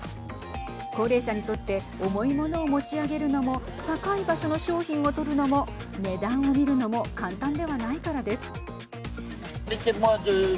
高齢者にとって重い物を持ち上げるのも高い場所の商品を取るのも値段を見るのも簡単ではないからです。